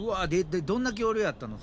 でどんな恐竜やったの？